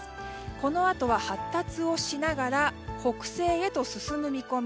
このあとは発達をしながら北西へ進む見込み。